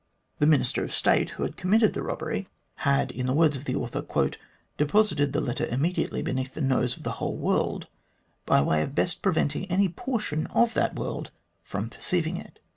The Minister of State, who had committed the robbery, had, 134 THE GLADSTONE COLONY in the words of the author, " deposited the letter immediately beneath the nose of the whole world by way of best pre venting any portion of that world from perceiving it."